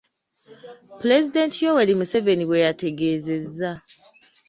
Pulezidenti Yoweri Museveni bwe yategeezezza.